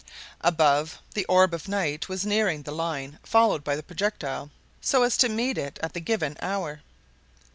Above, the orb of night was nearing the line followed by the projectile, so as to meet it at the given hour.